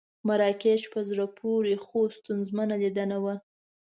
مراکش په زړه پورې خو ستونزمنه لیدنه وه.